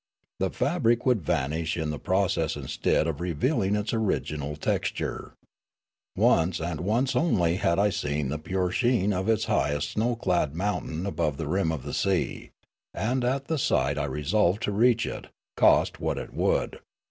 The fabric would vanish in the pro cess instead of revealing its original texture. Once and once only had I seen the pure sheen of its highest snow clad mountain above the rim of the sea ; and at the sight I resolved to reach it, cost what it would.